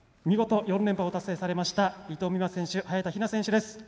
見事４連覇を達成されました伊藤美誠選手、早田ひな選手です。